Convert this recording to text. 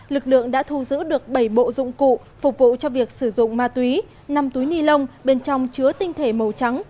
lực lượng đã thu giữ được bảy bộ dụng cụ phục vụ cho việc sử dụng ma túy năm túi ni lông bên trong chứa tinh thể màu trắng